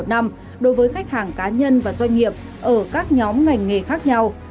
đối với khách hàng cá nhân và doanh nghiệp ở các nhóm ngành nghề khác nhau